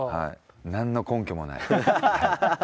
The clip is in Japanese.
なんの根拠もない。